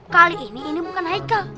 kali ini ini bukan haikal